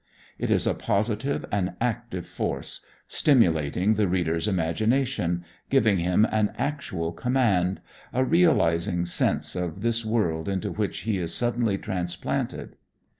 It is a positive and active force, stimulating the reader's imagination, giving him an actual command, a realizing sense of this world into which he is suddenly transplanted.